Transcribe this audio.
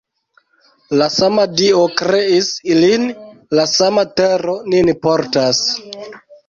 La sama Dio kreis ilin, la sama tero nin portas.